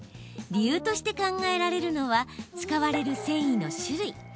理由として考えられるのは使われる繊維の種類。